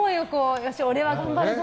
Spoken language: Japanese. よし、俺は頑張るぞ！